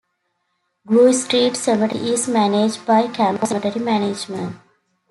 Grove Street Cemetery is managed by Camco Cemetery Management.